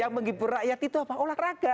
yang menghibur rakyat itu apa olahraga